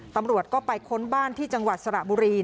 ตำรวจก็ไปค้นบ้านที่จังหวัดสระบุรี